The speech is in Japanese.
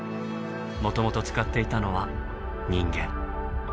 もともと使っていたのは人間。